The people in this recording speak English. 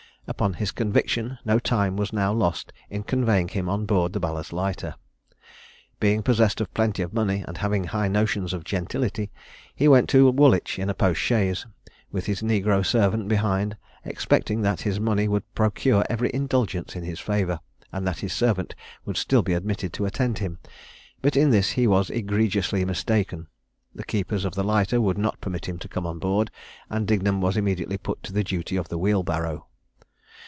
Upon his conviction, no time was now lost in conveying him on board the ballast lighter. Being possessed of plenty of money, and having high notions of gentility, he went to Woolwich in a post chaise, with his negro servant behind, expecting that his money would procure every indulgence in his favour, and that his servant would be still admitted to attend him: but in this he was egregiously mistaken. The keepers of the lighter would not permit him to come on board, and Dignum was immediately put to the duty of the wheelbarrow.